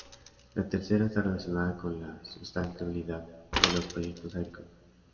La tercera, está relacionada con la sustentabilidad de los proyectos agrícolas.